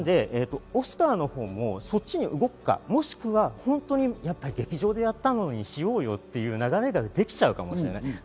オスカーのほうも、そっちに動くか、もしくは本当にやっぱり劇場でやったのにしようよっていう流れができちゃうかもしれない。